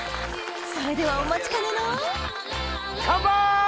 それではお待ちかねのカンパイ！